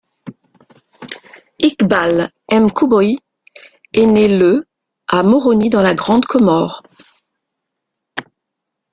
Ikbal M'kouboi est né le à Moroni dans la Grande Comore.